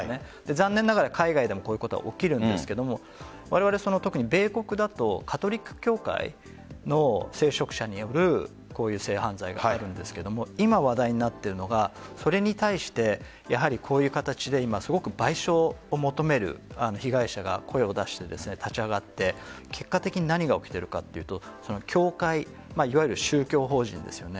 残念ながら海外でもこういうことは起きるんですけれど特に米国だとカトリック教会の聖職者による性犯罪があるんですけれど今、話題になっているのがそれに対してこういう形で賠償を求める被害者が声を出して、立ち上がって結果的に何が起きているかというといわゆる宗教法人ですよね